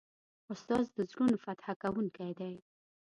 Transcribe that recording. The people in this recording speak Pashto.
استاد د زړونو فتح کوونکی دی.